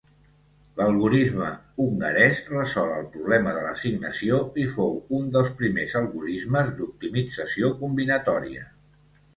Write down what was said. L'algorisme hongarès resol el problema de l'assignació i fou un dels primers algorismes d'optimització combinatòria.